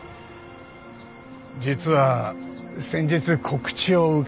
実は先日告知を受けました。